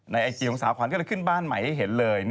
ไอจีของสาวขวัญก็เลยขึ้นบ้านใหม่ให้เห็นเลย